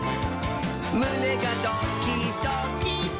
むねがドキドキ！」